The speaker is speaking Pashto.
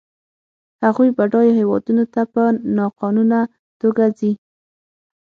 هغوی بډایو هېوادونو ته په ناقانونه توګه ځي.